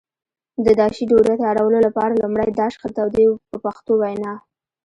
د داشي ډوډۍ تیارولو لپاره لومړی داش ښه تودوي په پښتو وینا.